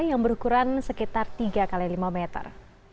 yang berukuran sekitar tiga x lima meter